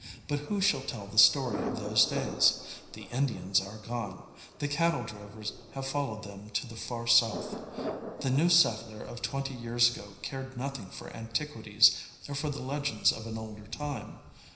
But who shall tell the story of those days? The Indians are gone; the cattle drovers have followed them to the far South; the new settler of twenty years ago cared nothing for antiquities or for the legends of an older time.